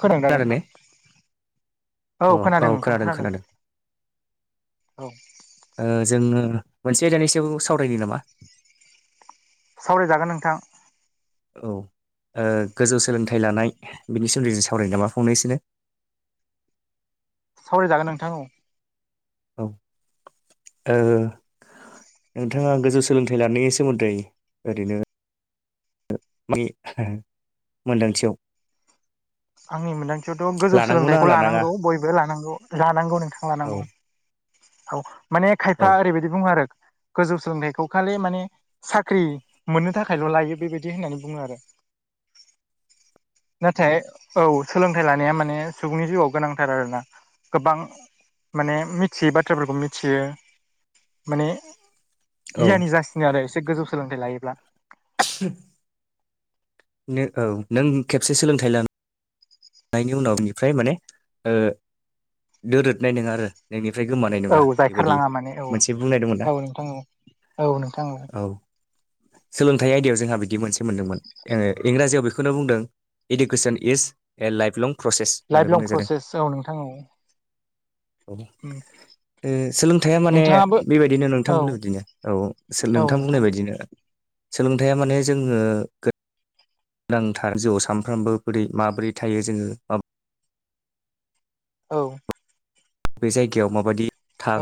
फोरों दा खोनादों ने नोंथां औ खोनादों नोंथां खोनादों औ ओ जोङो मोनसे आयदानि सायाव सावरायनो नामा सावरायजागोन नोंथां औ ओ गोजौ सोलोंथाइ लानाय बिनि सोमोन्दै जों सावराय नामांकन? फंनैसोनो सावरायजागोन नोंथां औ औ ओ नोंथाङा गोजौ सोलोंथाइ लानायनि सोमोन्दै ओरैनो [unintelligible] मोनदांथियाव आंनि मोन्दांथियावथ' गोजौ लानांगौना सोलोंथाइखौ लानाङा लानांगौ बयबो लानांगौ लानांगौ नोंथां औ लानांगौ। औ माने औ खायफा ओरैबायदि बुङो आरो गोजौ सोलोंथाइखौ खालि माने साख्रि मोननो थाखायल' लायो बेबायदि होननानै बुङो आरो [inaudible] नथाय औ सोलोंथाइ लानाया माने सुबुंनि जिउआव गोनांथार आरोना गोबां माने मिथियै बाथ्राफोरखौ मिथियो माने औ गियानि जासिनो आरो एसे गोजौ सोलोंथाइ लायोब्ला [inaudible] औ नों खेबसे सोलोंथाइ लानो नायनि उनाव बिनिफ्राय माने ओ दोरोदनाय नङा आरो नोंनिफ्राय गोमानाय औ नङा बेबायदि जायखारलाङा माने औ मोनसे बुंनाय दंमोन औ ना नोंथां औ औ नोंथां औ सोलोंथाइ आयदायाव जोंहा बिदि मोनसे मोनदोंमोन इंराजियाव बेखौनो बुंदों education is a life long process life होननानै लं बुंनाय जादों। प्रसेस औ नोंथां औ ओ उम सोलोंथाइया माने नोंथाङाबो बेबायदिनो औ नोंथां बुंनाय बादिनो औ सो नोंथां बुंनाय बायदिनो सोलोंथाइया माने जोङो गो नांथार जिउआव सानफ्रामबो बोरै माबोरै थायो जोङो बा औ बे जायगायाव माबायदि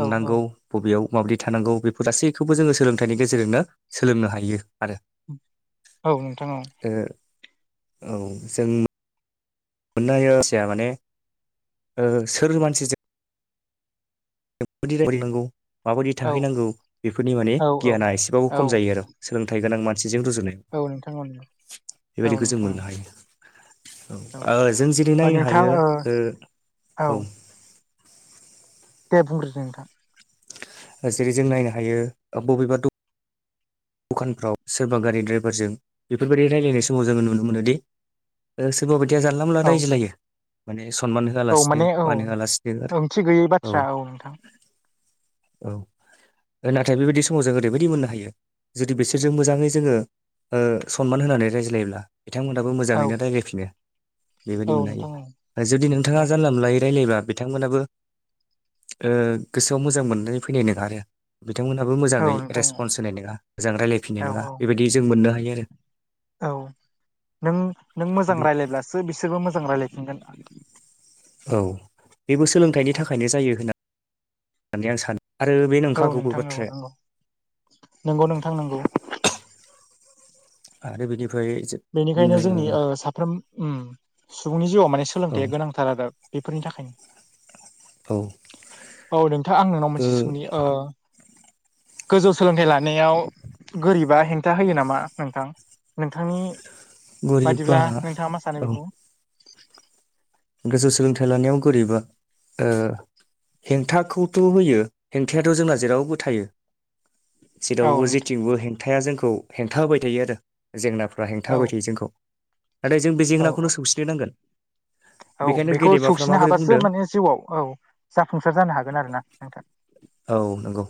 औ औ बबेयाव माबायदि थानांगौ बेफोर गासैखौबो जोङो सोलोंथाइनि गेजेरजोंनो सोलोंनो हायो आरो औ नोंथां औ औ जों मोननो हायो मानसिया माने सोर मानसि दि रायलायनांगौ माबायदि औ थाहैनांगौ बेफोरनि माने औ औ गियाना एसेबाबो औ खम जायो आरो सोलोंथाइ गोनां मानसिजों रुजुनाय औ नोंथां औ औ बेबायदिखौ जों नोंथां मोननो हायो। औ जों जेरै औ नायनो नोंथां हायो ओ औ दे बुंग्रो नोंथां जेरै जों नायनो हायो बबेबा द दखानफ्राव सोरबा गारि दड्राइभारजों बेफोरबायदि रायलायनाय समाव जोङो नुनो मोनोदि सोरबा बायदिया जानला मानला औ रायज्लायो माने सनमान औ होआलासिनो माने औ मान होआलासिनो ओंथि गैयै आरो औ बाथ्रा नोंथां औ नाथाय बेबायदि समाव जों ओरैबायदि मोननो हायो जुदि बिसोरजों मोजाङै जोङो सनमान होनानै रायज्लायोब्ला बिथांमोनहाबो औ मोजाङैनो रायज्लायफिनो बेबायदि औ मोननो नोंथां औ हायो जुदि नोंथाङा जानला मानलायै रायलायोबा बिथांमोनाबो ओ गोसोआव मोजां मोननानै फैनाय नोङा आरो बिथांमोनहाबो औ मोजाङै औ नोंथां रेसपन्स होनाय नोङा मोजां रायलायफिननाय औ नोङा औ बेबायदि जों मोननो हायो आरो औ नों नों मोजां बे रायलायब्लासो बिसोरबो मोजां रायज्लायफिनगोन औ बेबो सोलोंथाइनि औ थाखायनो जायो [inaudible] होननानै आं सानो आरो बे नंखागौबो नोंथां औ बाथ्राया नंगौ नंगौ नोंथां नंगौ आरो बिनिफ्राय बेनिखायनो जोंनि साफ्रोम सुबुंनि जिउआव माने ओ सोलोंथाइया गोनां आलादा बेफोरनि थाखायनो औ औ नोंथां आं नोंनाव मोनसे सोंनि गोजौ सोलोंथाइ लानायाव गोरिबा हेंथा होयो नामा नोंथां नोंथांनि गरिबा बादिब्ला नोंथाङा मा सानो औ बेखौ गोजौ सोलोंथाइ लानायाव गोरिबा ओ हेंथाखौथ' होयो हेंथायाथ' जोंना जेरावबो थायो औ जेरावबो नोंथां जेथिंबो हेंथाया जोंखौ हेंथा होबाय थायो आरो जेंनाफ्रा औ हेंथा होबाय थायो जोंखौ नाथाय जों बे औ जेंनाखौनो सौसिनो नांगोन औ बेखायनो बेखौ गेदेमाफ्रा सौसिनो माबोरै हाबासो बुंदों माने जिउआव औ जाफुंसार जानो हागोन आरो ना नोंथां। औ नंगौ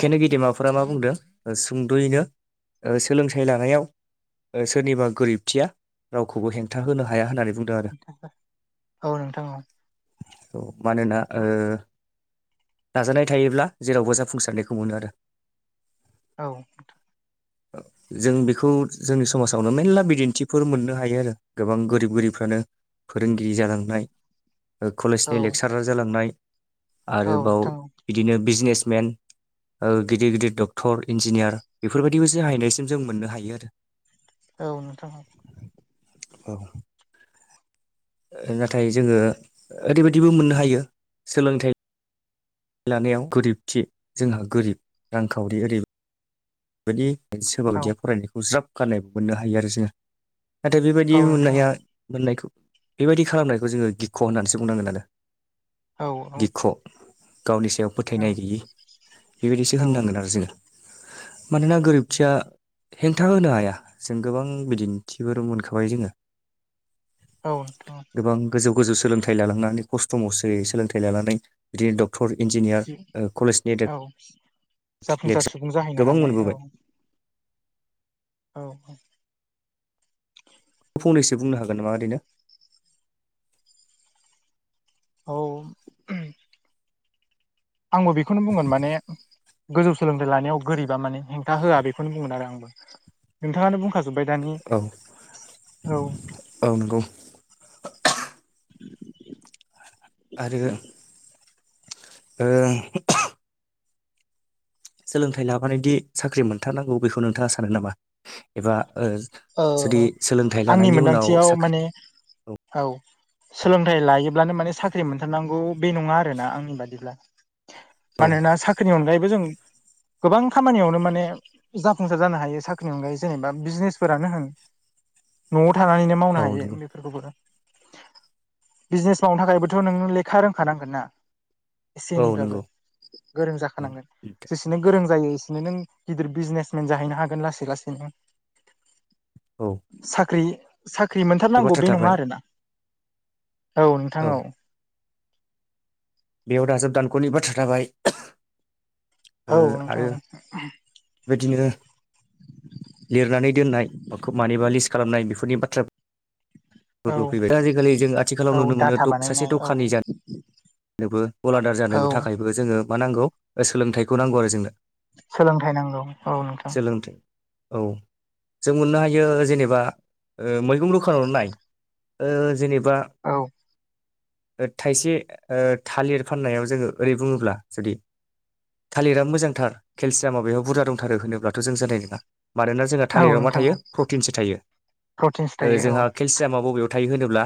औ गेदेमाफोर फोरा मा बुंदों सुंद'यैनो सोलोंथाइ लानायाव सोरनिबा गोरिबथिया रावखौबो हेंथा होनो हाया होननानै बुंदों आरो औ नोंथां औ औ मानोना ओ नाजानाय थायोब्ला जेरावबो जाफुंसारनायखौ मोनो आरो औ नोंथां [inaudible] जों बिखौ जोंनि समाजावनो मेरला बिदिन्थिफोर मोननो हायो आरो गोबां गोरिब गोरिबफ्रानो फोरोंगिरि जालांनाय ओ औ कलेजनि लेक्सारार जालांनाय औ आरोबाव नोंथां बिदिनो बिजनेसमेन ओ गिदिर गिदिर डक्टर इन्जिनियार बेफोर बायदिबो जाहैनायसिम जों मोननो हायो आरो। औ नोंथां औ औ ओ नाथाय जोङो ओरैबायदिबो मोननो हायो सोलोंथाइ लानायाव गोरिबथि जोंहा गोरिब रांखावरि ओरै बेबायदि सोरबा औ बायदिया फरायनायखौ ज्राब गारनायबो मोननो हायो आरो जोङो नाथाय बेबायदि औ नोंथां मोननाया मोननायखौ बेबायदि खालामनायखौ जोङो गिख' होननानैसो बुंनांगोन आरो औ औ गिख' गावनि सायाव फोथायनाय गैयि बेबायदिसो होननांगोन आरो जोङो मानोना गोरोनथिया हेंथा होनो हाया जों गोबां बिदिन्थिफोर मोनखाबाय जोङो औ गोबां गोजौ गोजौ सोलोंथाइ लालांनानै खस्थ' मस्थ'यै सोलोंथाइ लानानै बिदिनो डक क्टर इन्जिनियार ओ कलेजनि औ लेक जाफुंसार [inaudible] सा सुबुं जाहैनो गोबां हानाय मोनबो औ औ फंनैसो बुंनो हागोन ना ओरैनो औ [inaudible] आंबो बेखौनो बुंगोन माने गोजौ सोलोंथाइ लानायाव गोरिबा माने हेंथा होआ बेखौनो बुंगोन आरो आंबो नोंथाङानो बुंखाजोबबाय दानि औ औ औ नंगौ [inaudible] आरो ओ सोलोंथाइ लाबोनानोदि साख्रि मोनथारनांगौ बेखौ नोंथाङा सानो नामा एबा ओ जुदि सोलोंथाइ आंनि लानायनि उनाव मोन्दांथियाव साख्रि माने औ सोलोंथाइ लायोब्लानो माने साख्रि मोनथारनांगौ बे नङा आरोना आंनि बादिब्ला औ मानोना साख्रिनि अनगायैबो जों गोबां खामानियावनो माने जाफुंसार जानो हायो साख्रिनि अनगायै जेनेबा बिजनेस फोरानो होन न'आव थानानैनो औ मावनो हायो नंगौ बेफोरखौबो बिजनेस मावनो थाखायबोथ' नोंनो लेखा रोंखानांगोन ना एसे औ एनैब्लाबो नंगौ गोरों जाखानांगोन जेस सेनो गोरों जायो इसेनो नों गिदिर बिजनेसमेन जाहैनो हागोन लासै लासैनो औ साख्रि साख्रि मोनथारनांगौ बाथ्रा बे नङा थाबाय आरोना औ नोंथां औ बेयाव दाजाब दानख'नि बाथ्रा थाबाय ओ औ नोंथां आरो बेबायदिनो लिरनानै दोननाय मानिबा लिस्ट खालामनाय बेफोरनि बाथ्रा औ बो फैबाय दा आजिखालि जों आथिखालाव औ नुनो मोनो डाटा दख सासे बानायनाय औ दखानि जानो नोबो गलादार जानो औ थाखायबो जोङो मा नांगौ ओ सोलोंथाइखौ नांगौ आरो जोंनो। सोलोंथाइ नांगौ औ नोंथां सोलोंथाइ औ जों मोननो हायो जेनेबा ओ मैगं दखानावनो नाय ओ जेनेबा औ थाइसे ओ थालिर फाननायाव जोङो ओरै बुङोब्ला जुदि थालिरा मोजांथार केलसियामाव बेहाय बुरजा दंथारो होनोब्ला थ जों जानाय नङा मानोना जोंहा औ थालिराव मा नोंथां थायो औ प्रथिनसो थायो प्रटिन्स ओ थायो औ जोंहा केलसि सियामा बबेयाव थायो होनोब्ला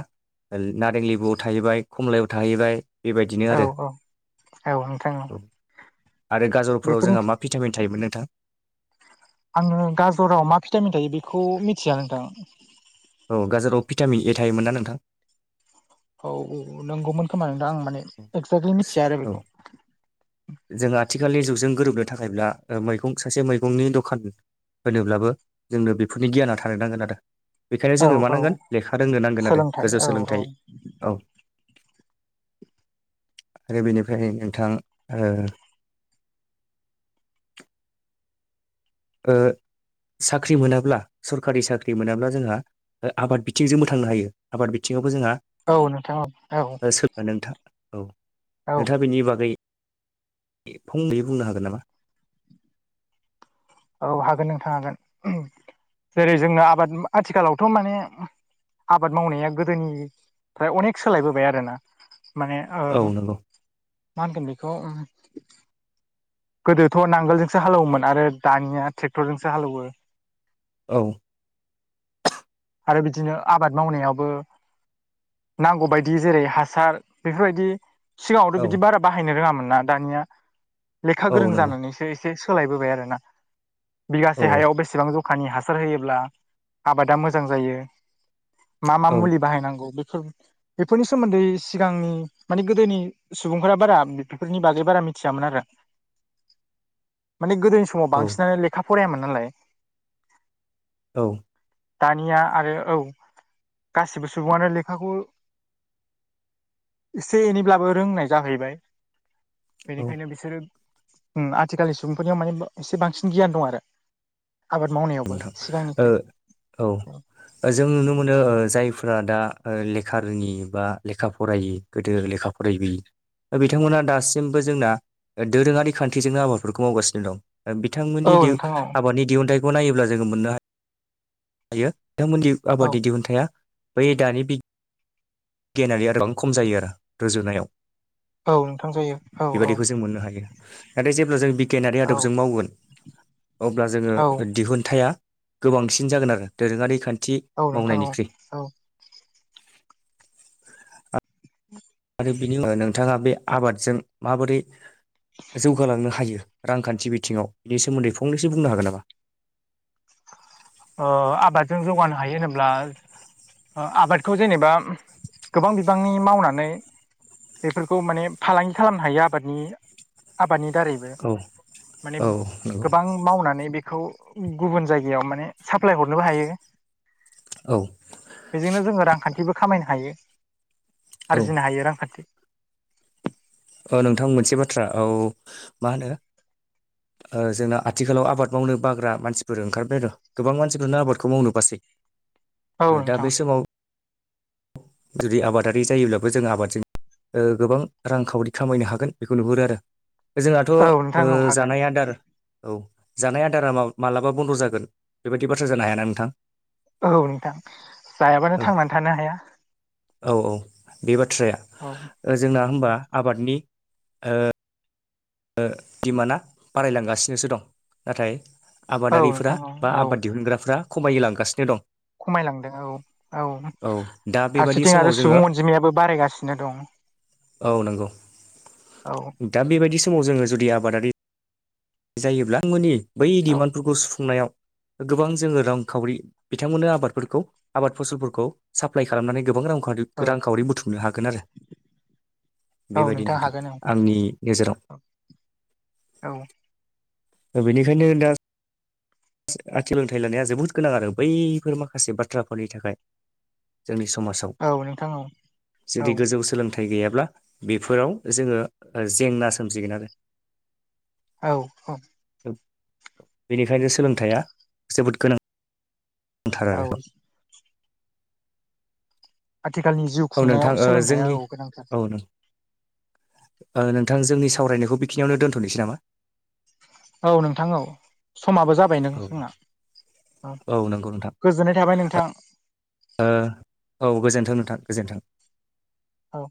नारें लेबुआव थाहैबाय खमलायाव थाहैबाय बेबायदिनो औ आरो औ औ नोंथां औ आरो गाजरफोराव बेफोरनि जोंहा मा भिटामिन थायोमोन नोंथां आङो गाजराव मा फिटामिन थायो बेखौ मिथिया नोंथां औ गाजाराव भिटामिन ए थायोमोन ना नोंथां औ औ नंगौमोन खोमा नोंदां आं माने एक्जेक्टलि मिथिया आरो औ बेखौ जों आथिखालनि जुगजों गोरोबनो थाखायब्ला मैगं सासे मैगंनि दखान होनोब्लाबो जोंनो बेफोरनि गियाना थानो नांगोन आरो बेखायनो औ जों औ रमानांगोन लेखा रोंनो नांगोन आरो सोलोंथाइ गोजौ औ औ सोलोंथाइ औ आरो बेनिफ्राय नोंथां ओ ओ साख्रि मोनाब्ला सरखारि साख्रि मोनाब्ला जोंहा ओ आबाद बिथिंजों थांनो हायो आबाद बिथिंआवबो जोंहा औ नोंथां औ सोलों नोंथां औ औ औ नोंथांआ बेनि बागै फंनैै बुंनो हागोन नामा औ हागोन नोंथां हागोन जेरै जोंनो आबाद आथिखालावथ' माने आबाद मावनाया गोदोनिफ्राय अनेक सोलायबोबाय आरोना माने ओ औ नंगौ मा होनगोन बेखौ गोदोथ' नांगोलजोंसो हालौवोमोन आरो दानिआ ट्रेक्टरजोंसो हालौवो औ आरो बिदिनो आबाद मावनायाबो नांगौबायदि जेरै हासार बेफोरबायदि सिगांआवथ' औ बिदि बारा बाहायनो रोंआमोन ना दानिआ लेखा औ गोरों नंगौ जानानैसो एसे एसे सोलायबोबाय आरोना औ बिगासे हायाव बेसेबां बेसेबां ज'खानि हासार होयोब्ला आबादा मोजां जायो मा मा औ मुलि बाहायनांगौ बेफोर बेफोरनि सोमोन्दै सिगांनि माने गोदोनि सुबुंफोरा बारा बेफोरनि बागै बारा मिथिआमोन आरो [inaudible] माने गोदोनि समाव औ बांसिनानो लेखा फरायामोन नालाय औ। दानिआ आरो औ गासिबो सुबुंआनो लेखाखौ एसे एनैब्लाबो रोंनाय जाहैबाय औ बेनिखायनो बिसोरो ओम आथिखालनि सुबुंफोरनिआव माने एसे बांसिन गियान दं आरो आबाद मावनायावबो सिगांनिख्रुइ औ जों नुनो मोनो ओ जायफोरा दा ओ लेखा रोङि बा लेखा फरायि गोदो लेखा फरायबोयै बिथांमोना दासिमबो जोंना दोरोंआरि खान्थिजोंनो आबादफोरखौ मावगासिनो दं ओ औ बिथांमोननि दिहुन नोंथां औ आबादनि दिहुनथाइखौ नायोब्ला जोङो मोननो हायो हायो बिथांमोननि औ आबादनि दिहुनथाइआ बै दानि बिगियानारि आदबा खम जायो आरो रुजुनायाव औ नोंथां जायो औ औ बेबादिखौ जों मोननो हायो नाथाय जेब्ला जों बिगियान आरि औ आदबजों मावगोन अब्ला जोङो औ दिहुनथाइआ गोबांसिन जागोन आरो दोरोंआरि खान्थि औ नोंथां औ मावनायनिख्रुइ औ [inaudible] आरो बिनि उनाव नोंथांआ बे आबादजों माबोरै जौगालांनो हायो रांखान्थि बिथिंआव बिनि सोमोन्दै फंनैसो बुंनो हागोन नामा ओ आबादजों जौगानो हायो होनोब्ला ओ आबादखौ जेनोबा गोबां बिबांनि मावनानै बेफोरखौ माने फालांगि खालामनो हायो आबादनि आबादनि दारैबो औ माने औ नंगौ गोबां मावनानै बेखौ गुबुन जायगायाव माने साप्लाय हरनोबो हायो औ बेजोंनो जोङो रांखान्थिबो खामायनो हायो औ आरजिनो हायो रांखान्थि ओ नोंथां मोनसे बाथ्रा औ मा होनो ओ जोंना आथिखालाव आबाद मावनो बाग्रा मानसिफोर ओंखारबाय आरो गोबां मानसिफोरानो आबादखौ मावनो बासै औ दा नोंथां बे समाव जुदि आबादारि जायोब्लाबो जोङो आबादजों ओ गोबां रांखावरि खामायनो हागोन बेखौ नुहुरो आरो जोंहाथ' ओ औ नोंथां औ हागोन जानाय आदार औ जानाय आदारा मालाबा बन्द' जागोन बेबादि बाथ्रा जानो हायाना नोंथां? औ नोंथां जायाबानो औ थांनानै थानो हाया औ औ बे बाथ्राया औ। जोंना होनबा आबादनि ओ डिमान्डआ बारायलांगासिनोसो दं नाथाय। औ आबादारिफोरा नोंथां औ बा औ आबाद दिहुनग्राफ्रा खमाय लांगासिनो दं। खमायलांदों औ औ दा बेबायदि फारसेथिं समाव आरो जोङो सुबुं अनजिमायाबो बारायगासिनो दं। औ नंगौ। औ। दा बेबायदि समाव जोङो जुदि आबादारि जायोब्ला नोंथांमोननि बै औ डिमान्डफोरखौ सुफुंनायाव गोबां जोङो रांखावरि। बिथांमोननो आबादफोरखौ आबाद फसलफोरखौ साप्लाइ खालामनानै गोबां रांखान्थि औ रांखावरि बुथुमनो हागोन आरो औ बेबायदि नोंथां हागोन आंनि गेजेराव औ। बेनिखायनो दा आथिखाल सोलोंथाइ लानाया जोबोद गोनां आरो बैफोर माखासे बाथ्राफोरनि थाखाय जोंनि समाजाव औ नोंथां औ औ जुदि गोजौ सोलों थाइ गैयाब्ला बेफोराव जोङो जेंना सोमजिगोन आरो औ औ बेनिखायनो सोलोंथाइया जोबोद गोनांथार औ आरो औ आथिखालनि जुग औ नोंथां ओ जोंनि औ नों नोंथां जोंनि सावरायनायखौ बेखिनियावनो दोनथ'नोसै नामा औ नोंथां औ समाबो जा जाबाय नों औ सोंना औ नंगौ गोजोननाय थाबाय नोंथां। ओ औ गोजोन्थों नोंथां गोजोन्थों औ।